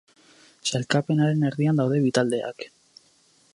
Sailkapenaren erdian daude bi taldeak.